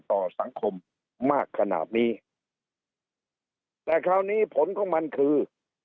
ต่อสังคมมากขนาดนี้แต่คราวนี้ผลของมันคือ